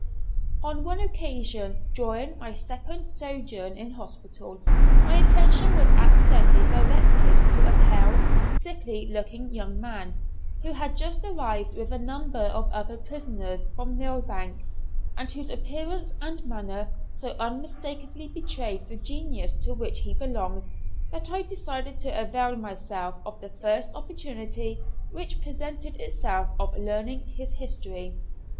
On one occasion during my second sojourn in hospital, my attention was accidentally directed to a pale, sickly looking young man, who had just arrived with a number of other prisoners from Millbank, and whose appearance and manner so unmistakably betrayed the genus to which he belonged that I decided to avail myself of the first opportunity which presented itself of learning his history.